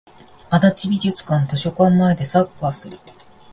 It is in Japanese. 足立美術館図書館前でサッカーする